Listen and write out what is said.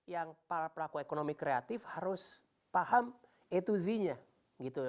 yang para pelaku ekonomi kreatif harus paham a to z nya gitu